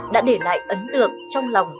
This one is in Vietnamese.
đã để lại ấn tượng trong lòng